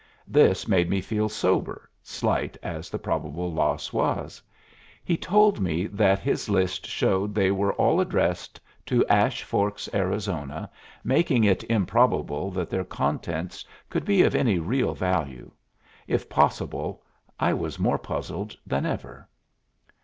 This made me feel sober, slight as the probable loss was. He told me that his list showed they were all addressed to Ash Forks, Arizona, making it improbable that their contents could be of any real value. If possible, I was more puzzled than ever.